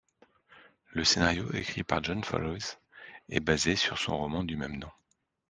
Le scénario, écrit par John Fowles, est basé sur son roman du même nom.